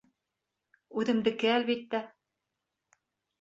Үҙемдеке, әлбиттә.